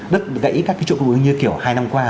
đất gãy các cái trụ cú như kiểu hai năm qua